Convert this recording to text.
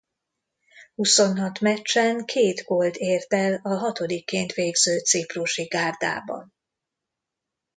Huszonhat meccsen két gólt ért el a hatodikként végző ciprusi gárdában.